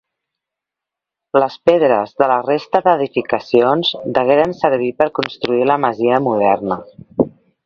Les pedres de la resta d'edificacions degueren servir per construir la masia moderna.